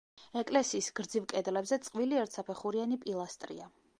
ეკლესიის გრძივ კედლებზე წყვილი ერთსაფეხურიანი პილასტრია.